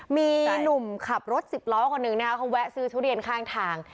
มีหนุ่มขับรถสิบล้อคนหนึ่งนะคะเขาแวะซื้อทุเรียนข้างทาง